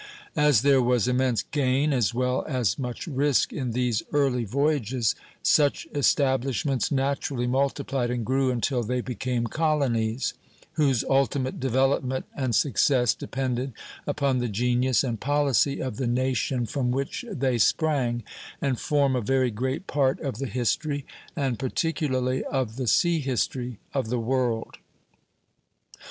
As there was immense gain, as well as much risk, in these early voyages, such establishments naturally multiplied and grew until they became colonies; whose ultimate development and success depended upon the genius and policy of the nation from which they sprang, and form a very great part of the history, and particularly of the sea history, of the world.